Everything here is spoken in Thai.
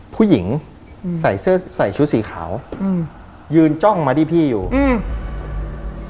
ผู้หญิงอืมใส่เสื้อใส่ชุดสีขาวอืมยืนจ้องมาที่พี่อยู่อืม